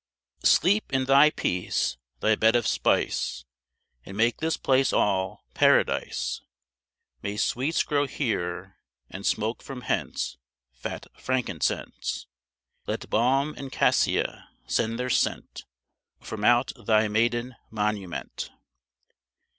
Sleep in thy peace, thy bed of spice, And make this place all Paradise: May sweets grow here! and smoke from hence Fat frankincense. Let balme and cassia send their scent From out thy maiden monument.